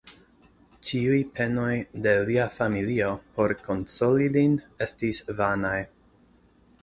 Ĉiuj penoj de lia familio, por konsoli lin, estis vanaj.